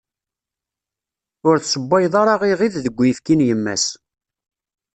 Ur tessewwayeḍ ara iɣid deg uyefki n yemma-s.